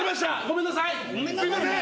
ごめんなさいね。